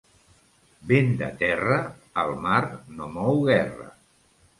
Vent de terra, el mar no mou guerra.